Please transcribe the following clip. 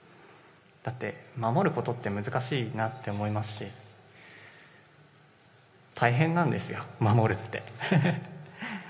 だって、守ることって難しいなって思いますし大変なんですよ、守るって。